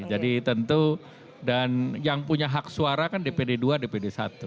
jadi tentu dan yang punya hak suara kan dpd dua dpd satu